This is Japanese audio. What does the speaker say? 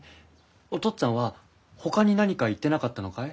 おとっつぁんはほかに何か言ってなかったのかい？